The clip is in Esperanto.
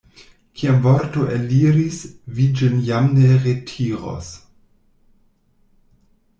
Kiam vorto eliris, vi ĝin jam ne retiros.